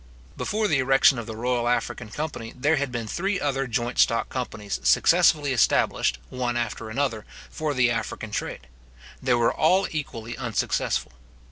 Before the erection of the Royal African company, there had been three other joint stock companies successively established, one after another, for the African trade. They were all equally unsuccessful.